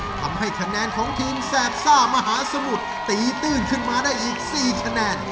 ทำให้คะแนนของทีมแสบซ่ามหาสมุทรตีตื้นขึ้นมาได้อีก๔คะแนน